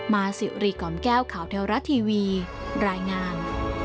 มาสิริกอ๋อมแก้วข่าวเทลระทีวีรายงาน